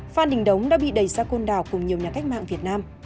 phan đình đống đã bị đẩy ra côn đảo cùng nhiều nhà cách mạng việt nam